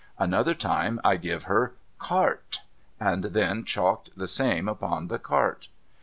Another time I give her CART, and then chalked the same upon the cart.